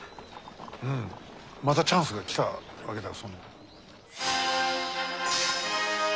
うんまたチャンスが来たわけだ。